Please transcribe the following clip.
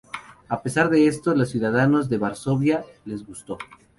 A pesar de esto, a los ciudadanos de Varsovia les gustó.